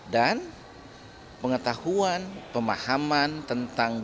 dan pengetahuan pemahaman tentang budaya